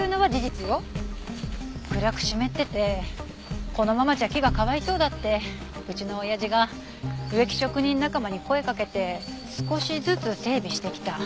暗く湿っててこのままじゃ木がかわいそうだってうちのおやじが植木職人仲間に声かけて少しずつ整備してきた。